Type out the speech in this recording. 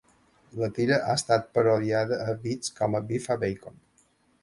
La tira ha estat parodiada a "Viz" com a Biffa Bacon.